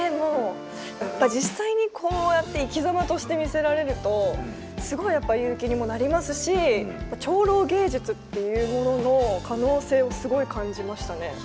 やっぱ実際にこうやって生きざまとして見せられるとすごいやっぱ勇気にもなりますし超老芸術っていうものの可能性をすごい感じましたね。